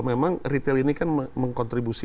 memang retail ini kan mengkontribusi